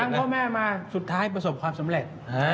เยื่มตังค์พ่อแม่มาสุดท้ายประสบความสำเร็จ